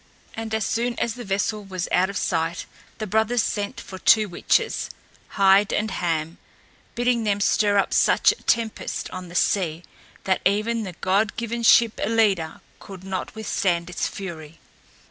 And as soon as the vessel was out of sight the brothers sent for two witches Heid and Ham bidding them stir up such a tempest on the sea that even the god given ship Ellida could not withstand its fury.